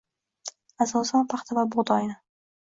Asosan paxta va bug‘doyni.